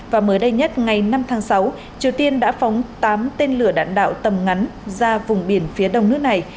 và mới đây nhất ngày năm tháng sáu triều tiên đã phóng tám tên lửa đạn đạo tầm ngắn ra vùng biển phía đông nước này